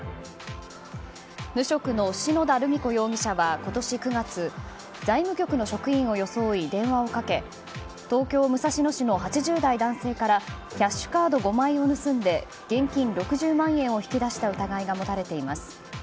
無職の篠田留美子容疑者は今年９月財務局の職員を装い、電話をかけ東京・武蔵野市の８０代男性からキャッシュカード５枚を盗んで現金６０万円を引き出した疑いが持たれています。